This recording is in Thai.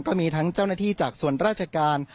ก็มีทั้งเจ้าหน้าที่จากส่วนราชการ